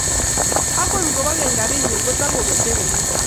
akot ngo bo keny garinyu ko ta keketei komie